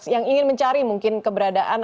yang ingin mencari mungkin keberadaan